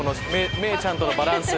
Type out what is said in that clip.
めーちゃんとのバランス。